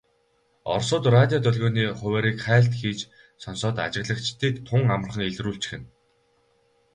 Оросууд радио долгионы хуваарийг хайлт хийж сонсоод ажиглагчдыг тун амархан илрүүлчихнэ.